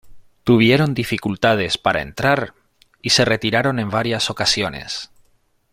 Tuvieron dificultades para entrar y se retiraron en varias ocasiones.